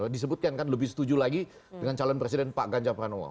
disebutkan kan lebih setuju lagi dengan calon presiden pak ganjar pranowo